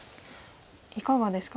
いかがですか？